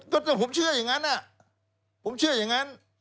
ก็ผมเชื่ออย่างนั้นผมเชื่ออย่างนั้น